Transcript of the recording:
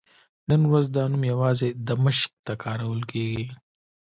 نن ورځ دا نوم یوازې دمشق ته کارول کېږي.